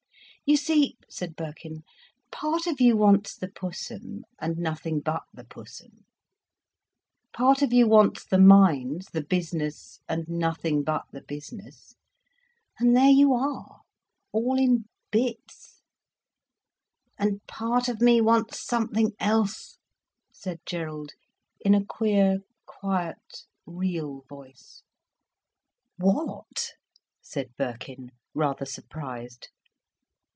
"You see," said Birkin, "part of you wants the Pussum, and nothing but the Pussum, part of you wants the mines, the business, and nothing but the business—and there you are—all in bits—" "And part of me wants something else," said Gerald, in a queer, quiet, real voice. "What?" said Birkin, rather surprised.